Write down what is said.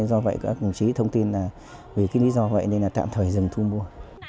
do vậy công chí thông tin là vì lý do vậy nên tạm thời dừng thu mua